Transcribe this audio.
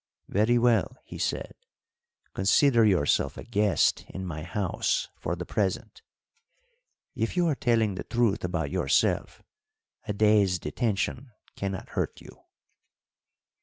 "Very well," he said, "consider yourself a guest in my house for the present; if you are telling the truth about yourself, a day's detention cannot hurt you."